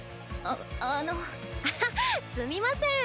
あっすみません。